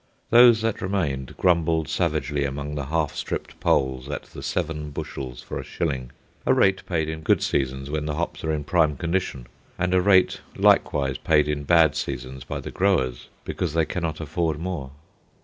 Those that remained grumbled savagely among the half stripped poles at the seven bushels for a shilling—a rate paid in good seasons when the hops are in prime condition, and a rate likewise paid in bad seasons by the growers because they cannot afford more.